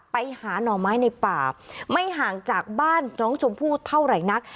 ไปหาหน่อไม้ในป่าไม่ห่างจากบ้านน้องชมพู่เท่าไหร่นัก